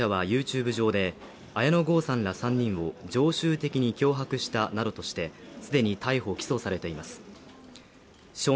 ガーシー容疑者はＹｏｕＴｕｂｅ上で、綾野剛さんら３人を常習的に脅迫したなどとして既に逮捕起訴されています。